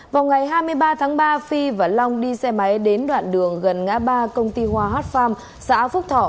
vào ngày hai mươi ba tháng ba phi và long đi xe máy đến đoạn đường gần ngã ba công ty hoa hot farm xã phúc thọ